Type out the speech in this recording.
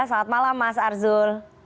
selamat malam mas arzul